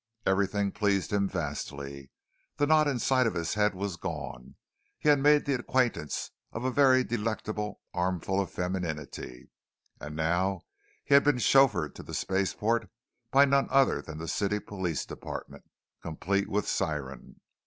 Everything pleased him vastly. The knot inside of his head was gone, he had made the acquaintance of a very delectable armful of femininity, and now he had been chauffeured to the spaceport by none other than the City Police Department, complete with siren.